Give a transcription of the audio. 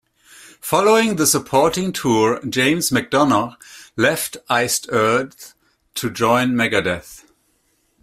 Following the supporting tour, James MacDonough left Iced Earth to join Megadeth.